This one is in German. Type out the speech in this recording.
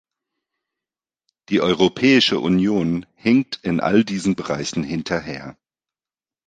Die Europäische Union hinkt in all diesen Bereichen hinterher.